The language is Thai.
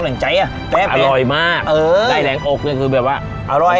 แรงใจอ่ะแป๊บอร่อยมากเออได้แหลงอกเนี่ยคือแบบว่าอร่อย